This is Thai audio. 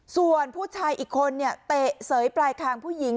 ส่วนผู้ชายอีกคนเนี่ยเตะเสยปลายคางผู้หญิง